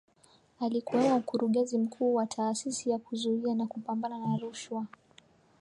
Alikuwemo mkurugenzi mkuu wa Taasisi ya Kuzuia na Kupambana na Rushwa